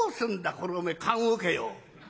これおめえ棺おけよ。